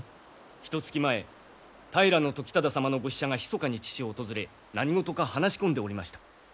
ひとつき前平時忠様のご使者がひそかに父を訪れ何事か話し込んでおりました。